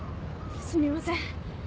すみません。